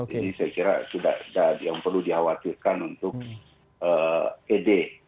jadi saya kira sudah yang perlu dikhawatirkan untuk ed